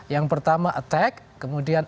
yang pertama attack kemudian